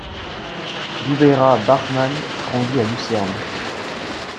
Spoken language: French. Jubaira Bachmann grandit à Lucerne.